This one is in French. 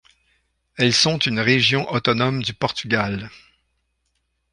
Elles sont une région autonome du Portugal.